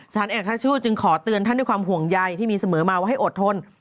เอกทัชชู่จึงขอเตือนท่านด้วยความห่วงใยที่มีเสมอมาว่าให้อดทน